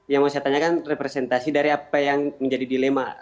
yang mau saya tanyakan representasi dari apa yang menjadi dilema